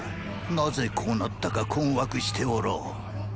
なぜこうなったか困惑しておろう。